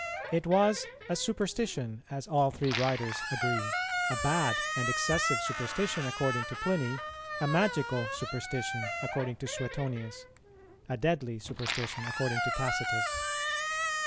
It was a superstition, as all three writers agree; a bad and excessive superstition, according to Pliny; a magical superstition, according to Suetonius; a deadly superstition, according to Tacitus.